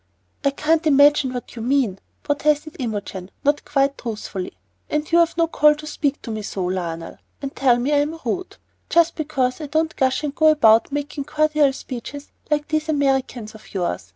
"I can't imagine what you mean," protested Imogen, not quite truthfully. "And you've no call to speak to me so, Lionel, and tell me I am rude, just because I don't gush and go about making cordial speeches like these Americans of yours.